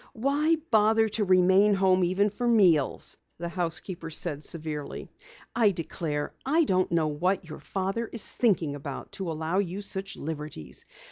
"Why bother to remain home even for meals?" the housekeeper said severely. "I declare, I don't know what your father is thinking about to allow you such liberties!